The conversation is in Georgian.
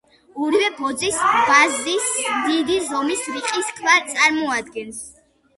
ორივე ბოძის ბაზისს დიდი ზომის რიყის ქვა წარმოადგენს.